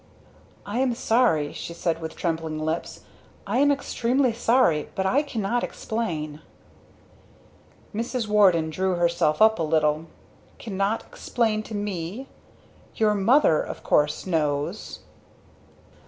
"I am sorry!" she said with trembling lips. "I am extremely sorry. But I cannot explain!" Mrs. Warden drew herself up a little. "Cannot explain to me? Your mother, of course, knows?"